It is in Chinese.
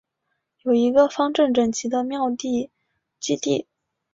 有一个方正整齐的庙区基地。